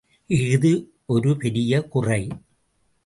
இஃது ஒரு பெரிய குறை.